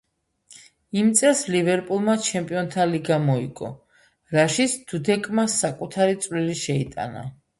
იმ წელს ლივერპულმა ჩემპიონთა ლიგა მოიგო, რაშიც დუდეკმა საკუთარი წვლილი შეიტანა.